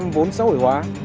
một trăm linh vốn xã hội hóa